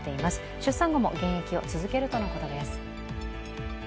出産後も現役を続けるとのことです。